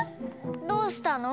どうしたの？